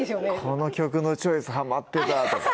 この曲のチョイスはまってた